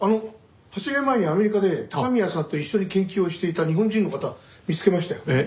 ８年前にアメリカで高宮さんと一緒に研究をしていた日本人の方見つけましたよ。